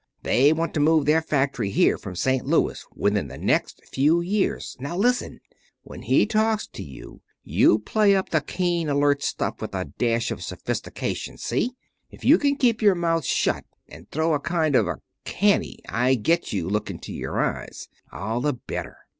They want to move their factory here from St. Louis within the next few years. Now listen. When he talks to you, you play up the keen, alert stuff with a dash of sophistication, see? If you can keep your mouth shut and throw a kind of a canny, I get you, look into your eyes, all the better.